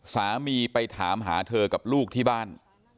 สามีไปถามหาเธอกับลูกที่บ้าน